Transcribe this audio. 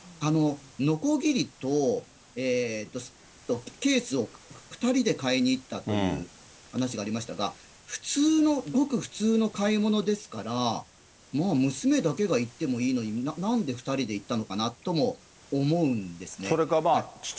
のこぎりとスーツケースを２人で買いに行ったという話がありましたが、普通の、ごく普通の買い物ですから、まあ、娘だけが行ってもいいのに、なんで２人で行ったのかなとも思うんですね。